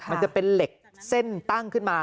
มันจะเป็นเหล็กเส้นตั้งขึ้นมา